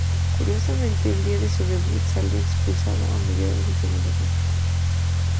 Curiosamente, el día de su debut salió expulsado a mediados del segundo tiempo.